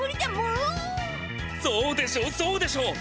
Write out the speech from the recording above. そうでしょうそうでしょう。